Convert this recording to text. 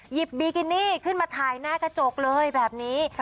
บีกินี่ขึ้นมาถ่ายหน้ากระจกเลยแบบนี้